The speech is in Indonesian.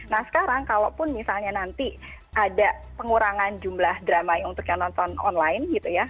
nah sekarang kalaupun misalnya nanti ada pengurangan jumlah drama untuk yang nonton online gitu ya